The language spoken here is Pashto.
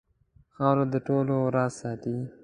خاوره د ټولو راز ساتي.